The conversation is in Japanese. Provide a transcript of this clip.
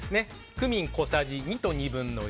クミン小さじ２と２分の１。